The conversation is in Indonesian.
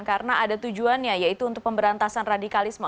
karena ada tujuannya yaitu untuk pemberantasan radikalisme